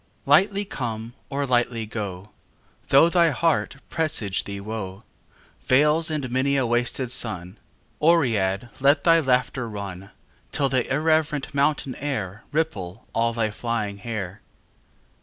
XXV Lightly come or lightly go: Though thy heart presage thee woe, Vales and many a wasted sun, Oread let thy laughter run, Till the irreverent mountain air Ripple all thy flying hair.